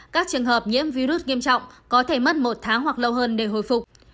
các trường hợp nhiễm virus nghiêm trọng có thể mất một tháng hoặc lâu hơn để hồi phục